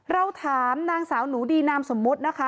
เราถามนางสาวหนูดีนามสมมุตินะคะ